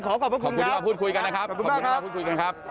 ขอขอบคุณครับขอบคุณมากครับ